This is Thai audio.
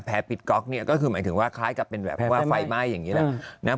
ปิดก๊อกเนี่ยก็คือหมายถึงว่าคล้ายกับเป็นแบบว่าไฟไหม้อย่างนี้แหละ